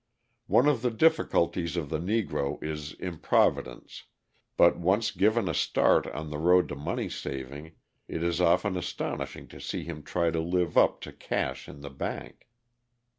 One of the difficulties of the Negro is improvidence; but once given a start on the road to money saving, it is often astonishing to see him try to live up to cash in the bank.